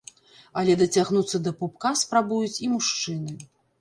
Але дацягнуцца да пупка спрабуюць і мужчыны.